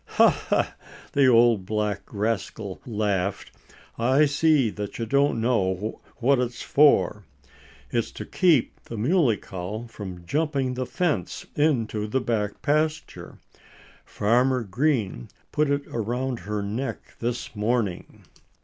"Ha! ha!" the old black rascal laughed. "I see that you don't know what it's for.... It's to keep the Muley Cow from jumping the fence into the back pasture. Farmer Green put it around her neck this morning."